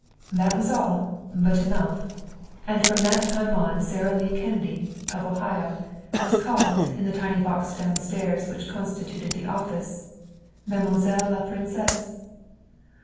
That was all, but was enough. And from that time on Sara Lee Kennedy, of Ohio, was called, in the tiny box downstairs which constituted the office, "Mademoiselle La Princesse."